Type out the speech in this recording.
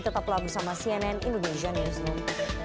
tetap berlangsung sama cnn indonesia newsroom